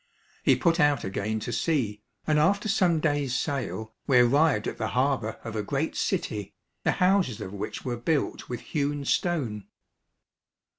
He put out again to sea, and after some days' sail, we arrived at the harbour of a great city, the houses of which were built with hewn stone.